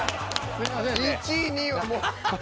１位２位はもう。